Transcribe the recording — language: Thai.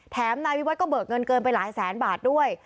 นายวิวัตก็เบิกเงินเกินไปหลายแสนบาทด้วย